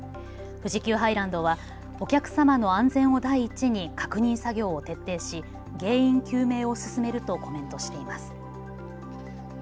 富士急ハイランドはお客様の安全を第一に確認作業を徹底し、原因究明を進めるとコメントしています。